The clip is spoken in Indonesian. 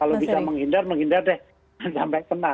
kalau bisa menghindar menghindar deh jangan sampai kena